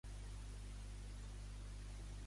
Les tres són parades de la gira Land of Grant.